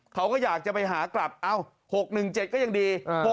เขาก็อยากจะไปหากลับ๖๑๗ก็ยังดี